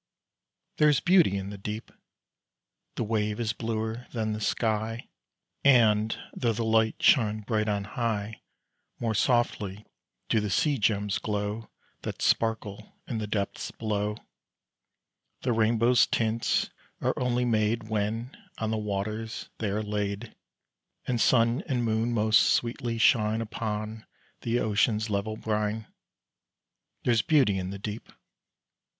There's beauty in the deep The wave is bluer than the sky; And, though the light shine bright on high, More softly do the sea gems glow That sparkle in the depths below; The rainbow's tints are only made When on the waters they are laid, And sun and moon most sweetly shine Upon the ocean's level brine. There's beauty in the deep.